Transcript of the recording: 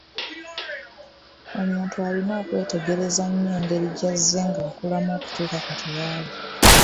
Omuntu alina okwetegereza nnyo engeri gy'azze ng'akulamu okutuuka kati waali.